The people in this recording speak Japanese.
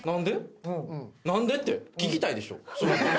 「何で？」って聞きたいでしょ。